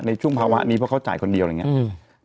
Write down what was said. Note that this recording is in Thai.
ในช่วงภาวะนี้เพราะเขาจ่ายคนเดียวอะไรอย่างนี้